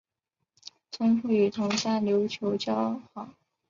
钟复与同乡刘球交好。